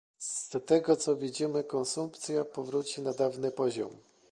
Z tego, co widzimy, konsumpcja powróci na dawny poziom